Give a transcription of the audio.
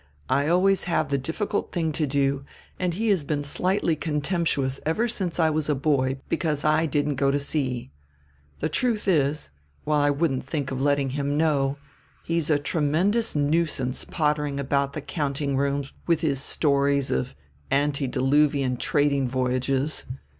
I always have the difficult thing to do, and he has been slightly contemptuous ever since I was a boy because I didn't go to sea. The truth is while I wouldn't think of letting him know he's a tremendous nuisance pottering about the countingrooms with his stories of antediluvian trading voyages.